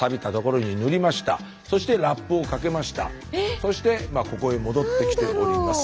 そして今ここへ戻ってきております。